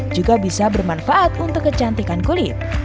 juga bisa bermanfaat untuk kecantikan kulit